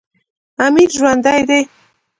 امیر ژوندی دی.